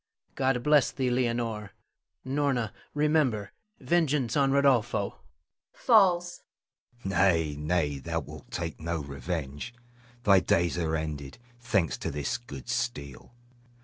God bless thee, Leonore! Norna, remember, vengeance on Rodolpho! [Falls] Hugo. Nay, nay, thou wilt take no revenge; thy days are ended, thanks to this good steel.